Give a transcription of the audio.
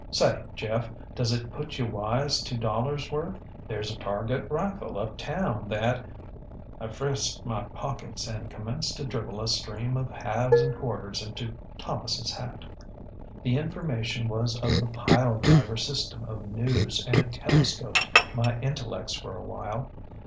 Say, Jeff, does it put you wise two dollarsŌĆÖ worth? ThereŌĆÖs a target rifle up town thatŌĆöŌĆÖ ŌĆ£I frisked my pockets and commenced to dribble a stream of halves and quarters into ThomasŌĆÖs hat. The information was of the pile driver system of news, and it telescoped my intellects for a while.